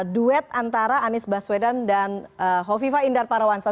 duet antara anies baswedan dan hovifa indar parawansa